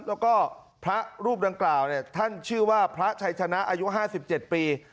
แล้วก็พระรูปดังกล่าวเนี่ยท่านชื่อว่าพระชัยชนะอายุห้าสิบเจ็ดปี